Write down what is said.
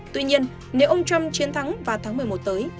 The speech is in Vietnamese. tuy nhiên nếu ông trump chiến thắng vào tháng một mươi một tới